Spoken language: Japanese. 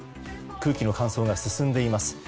空気の乾燥が進んでいます。